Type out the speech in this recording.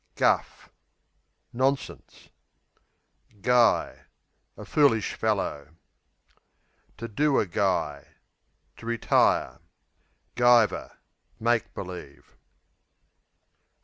Guff Nonsense. Guy A foolish fellow. Guy, to do a To retire. Guyver Make believe.